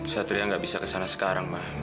satria gak bisa kesana sekarang ma